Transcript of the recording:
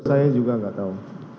saya juga gak tau